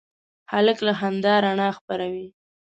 هلک له خندا رڼا خپروي.